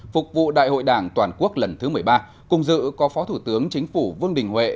phục vụ đại hội đảng toàn quốc lần thứ một mươi ba cùng dự có phó thủ tướng chính phủ vương đình huệ